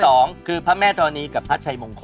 ต้องเอ่ยถึง๒คือพระแม่ธรณีกับพระชัยมงคล